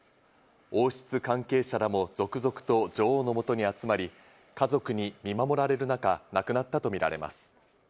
王室関係者らも続々と女王の元に集まり、家族に見守られる中、亡くなったとみられます。